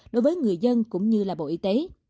đối với người dân cũng như bộ y tế